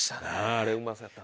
あれうまそうやったな。